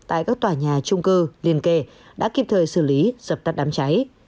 tại các tòa nhà trung cư liên kề đã kịp thời xử lý dập tắt đám cháy